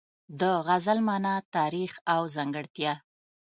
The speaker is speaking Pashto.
د غزل مانا، تاریخ او ځانګړتیا